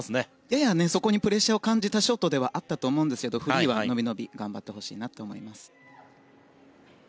ややそこにプレッシャーを感じたショートではあったと思うんですけどフリーでは伸び伸び頑張ってほしいと思います。